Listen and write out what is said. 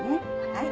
はい。